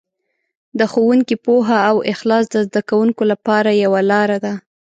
د ښوونکي پوهه او اخلاص د زده کوونکو لپاره یوه لاره ده.